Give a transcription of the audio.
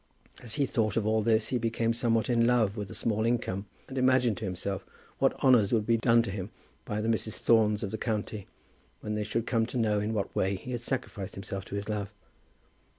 As he thought of all this he became somewhat in love with a small income, and imagined to himself what honours would be done to him by the Mrs. Thornes of the county, when they should come to know in what way he had sacrificed himself to his love.